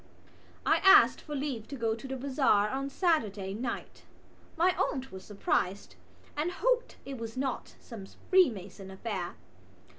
I asked for leave to go to the bazaar on Saturday night. My aunt was surprised and hoped it was not some Freemason affair.